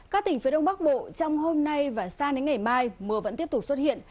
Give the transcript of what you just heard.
các tỉnh phía đông bắc bộ trong hôm nay và sang đến ngày mai mưa vẫn tiếp tục xuất hiện